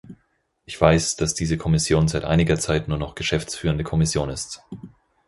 Ich weiß, dass diese Kommission seit einiger Zeit nur noch geschäftsführende Kommission ist.